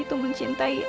jangan saja dekan